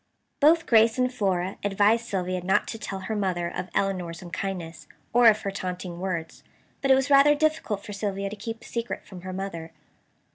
Both Grace and Flora advised Sylvia not to tell her mother of Elinor's unkindness, or of her taunting words. But it was rather difficult for Sylvia to keep a secret from her mother.